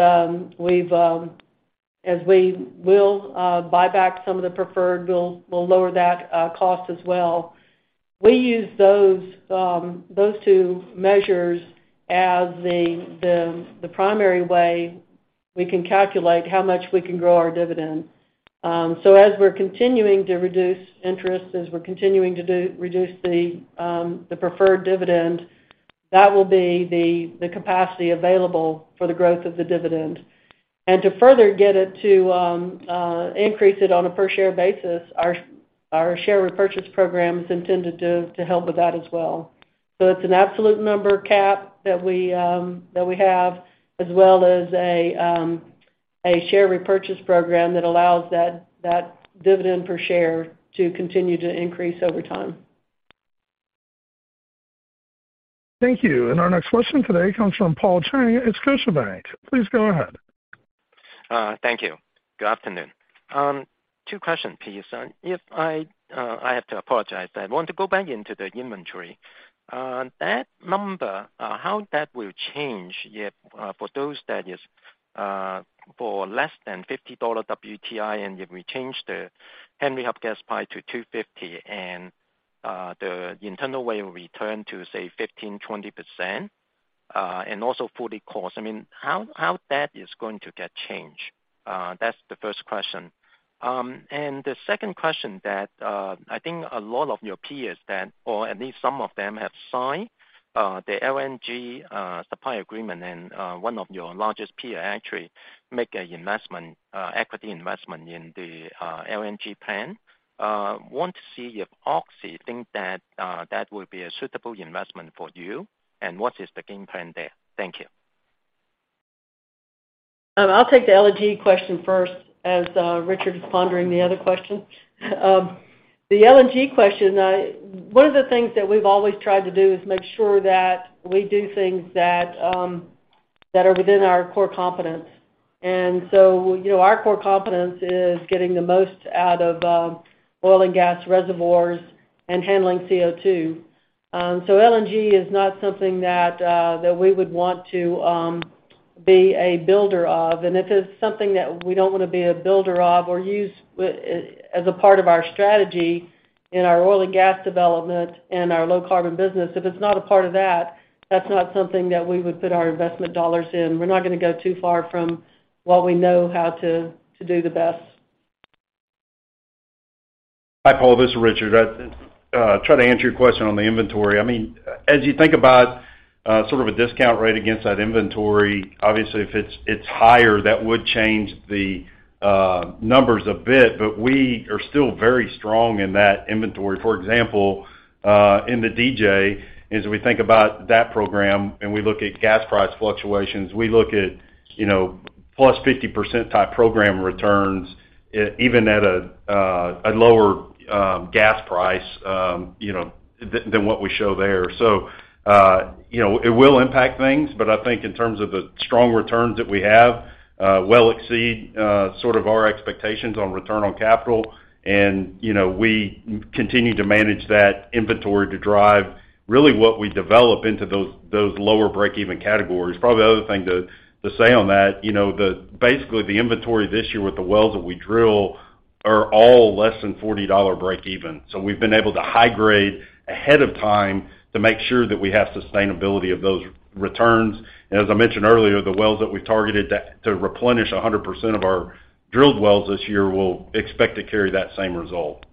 as we will buy back some of the preferred, we'll lower that cost as well. We use those two measures as the primary way we can calculate how much we can grow our dividend. As we're continuing to reduce interest, as we're continuing to reduce the preferred dividend, that will be the capacity available for the growth of the dividend. To further get it to increase it on a per share basis, our share repurchase program is intended to help with that as well. It's an absolute number cap that we have, as well as a share repurchase program that allows that dividend per share to continue to increase over time. Thank you. Our next question today comes from Paul Cheng at Scotiabank. Please go ahead. Thank you. Good afternoon. Two question piece. If I have to apologize, I want to go back into the inventory. That number, how that will change if for those that is for less than $50 WTI, and if we change the Henry Hub gas price to $2.50 and the internal rate of return to, say, 15%-20%, and also fully cost. I mean, how that is going to get changed? That's the first question. The second question that I think a lot of your peers that, or at least some of them have signed the LNG supply agreement, and one of your largest peer actually make an investment, equity investment in the LNG plan. Want to see if Oxy think that would be a suitable investment for you, and what is the game plan there? Thank you. I'll take the LNG question first as Richard is pondering the other question. The LNG question, one of the things that we've always tried to do is make sure that we do things that are within our core competence. You know, our core competence is getting the most out of oil and gas reservoirs and handling CO2. LNG is not something that we would want to be a builder of. If it's something that we don't want to be a builder of or use as a part of our strategy in our oil and gas development and our low carbon business, if it's not a part of that's not something that we would put our investment dollars in. We're not gonna go too far from what we know how to do the best. Hi, Paul, this is Richard. I'd try to answer your question on the inventory. I mean, as you think about sort of a discount rate against that inventory, obviously, if it's higher, that would change the numbers a bit, but we are still very strong in that inventory. For example, in the DJ, as we think about that program, and we look at gas price fluctuations, we look at, you know, +50% type program returns even at a lower gas price, you know, than what we show there. You know, it will impact things, but I think in terms of the strong returns that we have, well exceed sort of our expectations on return on capital. You know, we continue to manage that inventory to drive really what we develop into those lower breakeven categories. Probably the other thing to say on that, you know, the, basically, the inventory this year with the wells that we drill are all less than $40 breakeven. We've been able to high grade ahead of time to make sure that we have sustainability of those returns. As I mentioned earlier, the wells that we targeted to replenish 100% of our drilled wells this year will expect to carry that same result.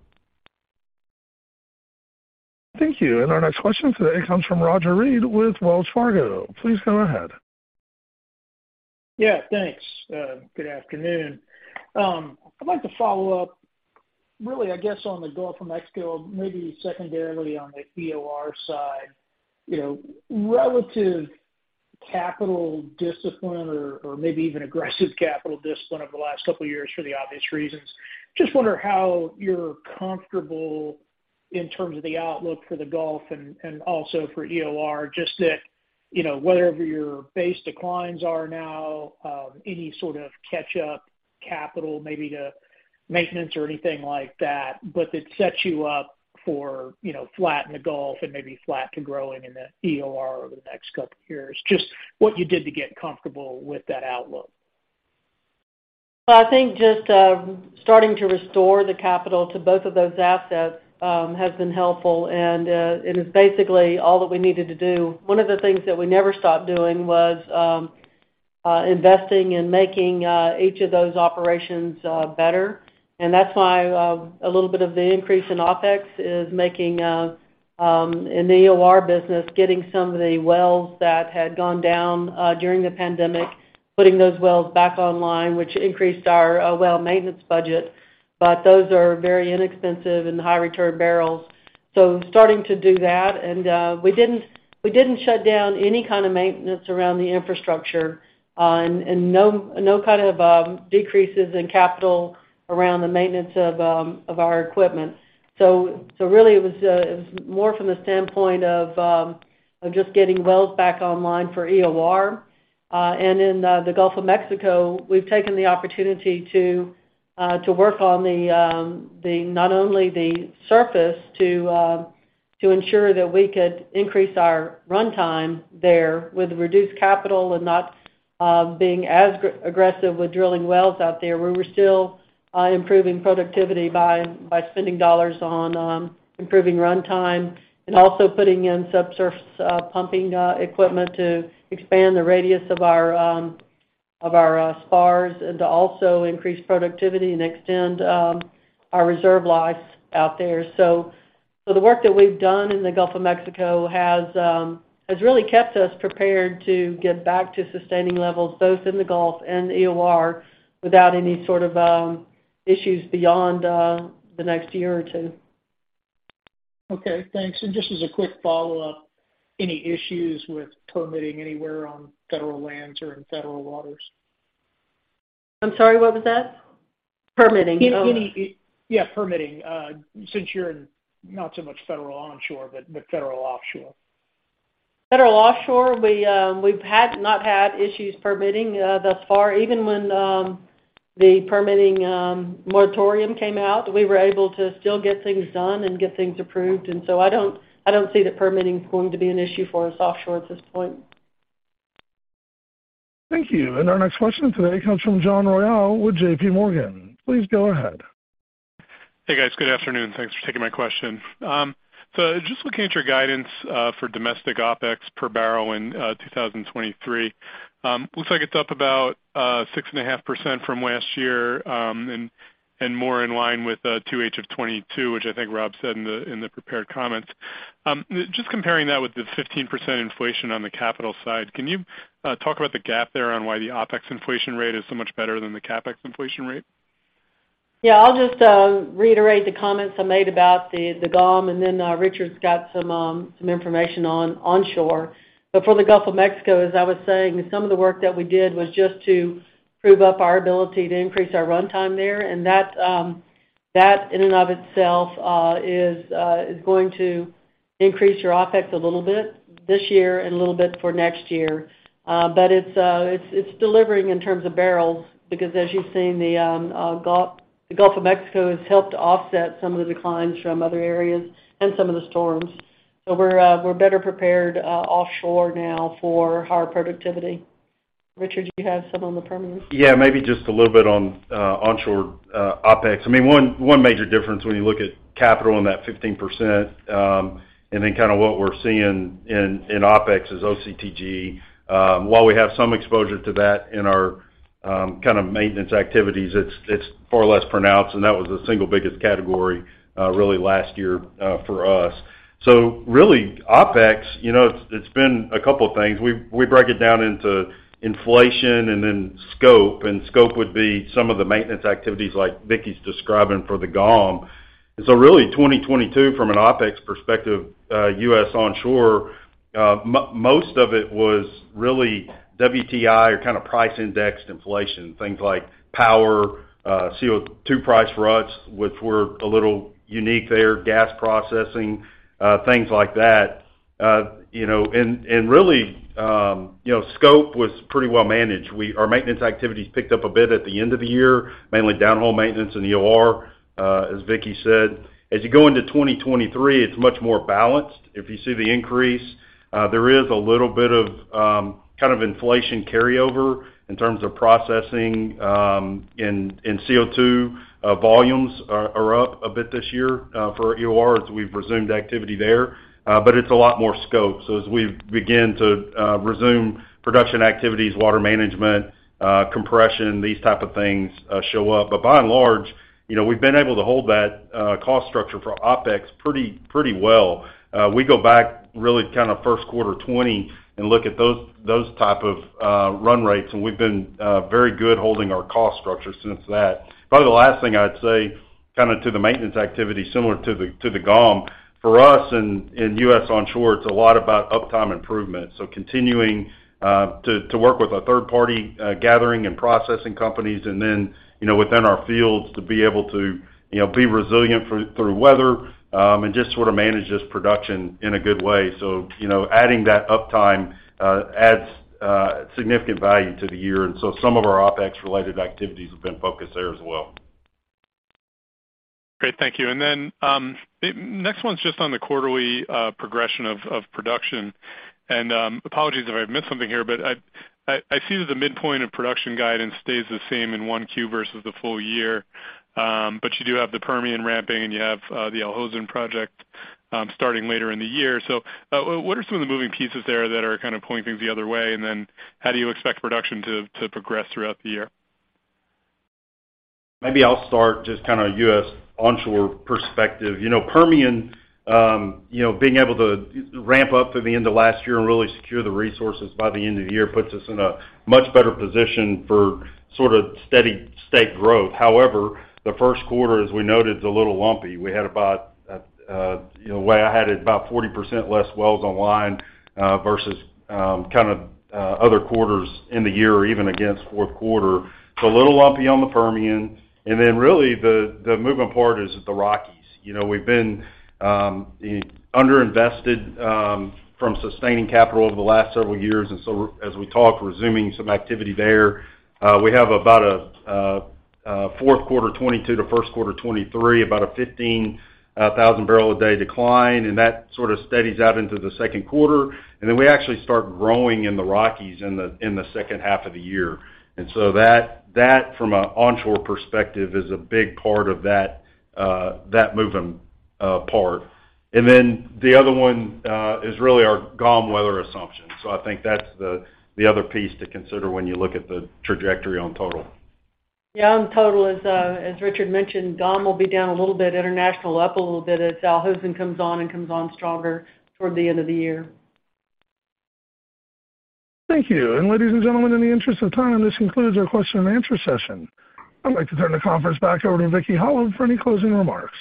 Thank you. Our next question today comes from Roger Read with Wells Fargo. Please go ahead. Yeah, thanks. Good afternoon. I'd like to follow up really, I guess, on the Gulf of Mexico, maybe secondarily on the EOR side. You know, relative capital discipline or maybe even aggressive capital discipline over the last two years for the obvious reasons. Just wonder how you're comfortable in terms of the outlook for the Gulf and also for EOR, just that, you know, whatever your base declines are now, any sort of catch up capital maybe to maintenance or anything like that, but that sets you up for, you know, flat in the Gulf and maybe flat to growing in the EOR over the next two years. Just what you did to get comfortable with that outlook. I think just starting to restore the capital to both of those assets has been helpful, and it is basically all that we needed to do. One of the things that we never stopped doing was investing in making each of those operations better. That's why a little bit of the increase in OpEx is making in the EOR business, getting some of the wells that had gone down during the pandemic, putting those wells back online, which increased our well maintenance budget. Those are very inexpensive and high return barrels. Starting to do that, we didn't, we didn't shut down any kind of maintenance around the infrastructure, and no kind of decreases in capital around the maintenance of our equipment. Really it was more from the standpoint of just getting wells back online for EOR. In the Gulf of Mexico, we've taken the opportunity to work on not only the surface to ensure that we could increase our runtime there with reduced capital and not being as aggressive with drilling wells out there. We were still improving productivity by spending dollars on improving runtime and also putting in subsurface pumping equipment to expand the radius of our spars and to also increase productivity and extend our reserve lives out there. The work that we've done in the Gulf of Mexico has really kept us prepared to get back to sustaining levels both in the Gulf and EOR without any sort of issues beyond the next year or two. Okay, thanks. Just as a quick follow-up, any issues with permitting anywhere on federal lands or in federal waters? I'm sorry, what was that? Permitting. Oh. Any, yeah, permitting. Since you're in not so much federal onshore but federal offshore. Federal offshore, we've not had issues permitting thus far. Even when the permitting moratorium came out, we were able to still get things done and get things approved. I don't, I don't see that permitting is going to be an issue for us offshore at this point. Thank you. Our next question today comes from John Royall with JPMorgan. Please go ahead. Hey, guys. Good afternoon. Thanks for taking my question. Just looking at your guidance for domestic OpEx per barrel in 2023, looks like it's up about 6.5% from last year, and more in line with 2H of 2022, which I think Rob said in the prepared comments. Just comparing that with the 15% inflation on the capital side, can you talk about the gap there on why the OpEx inflation rate is so much better than the CapEx inflation rate? Yeah, I'll just reiterate the comments I made about the GoM, and then Richard's got some information on onshore. For the Gulf of Mexico, as I was saying, some of the work that we did was just to prove up our ability to increase our runtime there. That in and of itself is going to increase your OpEx a little bit this year and a little bit for next year. It's delivering in terms of barrels because as you've seen, the Gulf of Mexico has helped offset some of the declines from other areas and some of the storms. We're better prepared offshore now for higher productivity. Richard, do you have some on the Permians? Yeah, maybe just a little bit on onshore OpEx. I mean, one major difference when you look at capital and that 15%, and then kinda what we're seeing in OpEx is OCTG. While we have some exposure to that in our kind of maintenance activities, it's far less pronounced, and that was the single biggest category really last year for us. Really, OpEx, you know, it's been a couple things. We break it down into inflation and then scope, and scope would be some of the maintenance activities like Vicki's describing for the GoM. Really, 2022 from an OpEx perspective, U.S. Onshore, most of it was really WTI or kinda price indexed inflation, things like power, CO2 price for us, which were a little unique there, gas processing, things like that. You know, and really, you know, scope was pretty well managed. Our maintenance activities picked up a bit at the end of the year, mainly downhole maintenance in EOR, as Vicki said. As you go into 2023, it's much more balanced. If you see the increase, there is a little bit of kind of inflation carryover in terms of processing, and CO2 volumes are up a bit this year for EOR as we've resumed activity there, but it's a lot more scope. As we begin to resume production activities, water management, compression, these type of things show up. By and large, you know, we've been able to hold that cost structure for OpEx pretty well. We go back really kinda first quarter 2020 and look at those type of run rates, and we've been very good holding our cost structure since that. Probably the last thing I'd say kinda to the maintenance activity similar to the GoM, for us in U.S. onshore, it's a lot about uptime improvement, so continuing to work with our third-party gathering and processing companies and then, you know, within our fields to be able to, you know, be resilient through weather, and just sort of manage this production in a good way. you know, adding that uptime adds significant value to the year. Some of our OpEx-related activities have been focused there as well. Great. Thank you. Maybe next one's just on the quarterly progression of production. Apologies if I missed something here, but I see that the midpoint of production guidance stays the same in 1Q versus the full year, but you do have the Permian ramping, and you have the Al Hosn project starting later in the year. What are some of the moving pieces there that are kinda pulling things the other way? How do you expect production to progress throughout the year? Maybe I'll start just kinda U.S. onshore perspective. You know, Permian, you know, being able to ramp up through the end of last year and really secure the resources by the end of the year puts us in a much better position for sorta steady state growth. However, the first quarter, as we noted, is a little lumpy. We had about, you know, way ahead at about 40% less wells online, versus kinda other quarters in the year or even against fourth quarter. A little lumpy on the Permian. Really, the moving part is the Rockies. You know, we've been underinvested from sustaining capital over the last several years. As we talk resuming some activity there, we have about a fourth quarter 2022 to first quarter 2023, about a 15,000 barrel a day decline, and that sorta steadies out into the second quarter. We actually start growing in the Rockies in the second half of the year. That from a onshore perspective is a big part of that moving part. The other one is really our GoM weather assumption. I think that's the other piece to consider when you look at the trajectory on total. Yeah. On total, as Richard mentioned, GoM will be down a little bit, international up a little bit as Al Hosn comes on and comes on stronger toward the end of the year. Thank you. Ladies and gentlemen, in the interest of time, this concludes our question and answer session. I'd like to turn the conference back over to Vicki Hollub for any closing remarks.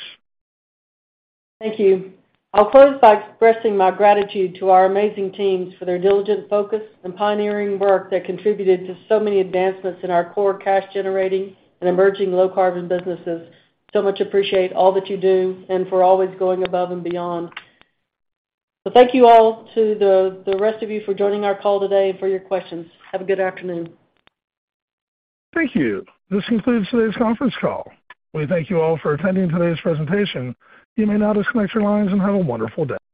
Thank you. I'll close by expressing my gratitude to our amazing teams for their diligent focus and pioneering work that contributed to so many advancements in our core cash-generating and emerging low-carbon businesses. Much appreciate all that you do and for always going above and beyond. Thank you all to the rest of you for joining our call today and for your questions. Have a good afternoon. Thank you. This concludes today's conference call. We thank you all for attending today's presentation. You may now disconnect your lines and have a wonderful day.